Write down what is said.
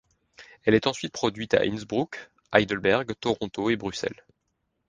Elle est ensuite produite à Innsbruck, Heidelberg, Toronto et Bruxelles.